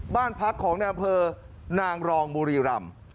บ้านพักของนายอำเภอนางรองบุรีรำ